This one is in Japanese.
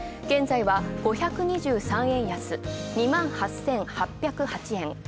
現在は、５２３円安２万８８０８円。